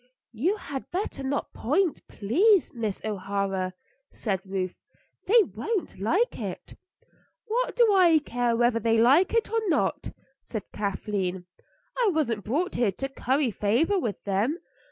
"You had better not point, please, Miss O'Hara," said Ruth. "They won't like it." "What do I care whether they like it or not?" said Kathleen. "I wasn't brought here to curry favor with them.